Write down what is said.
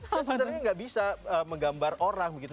saya sebenarnya nggak bisa menggambar orang begitu